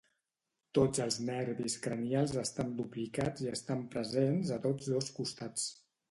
Tots els nervis cranials estan duplicats i estan presents a tots dos costats.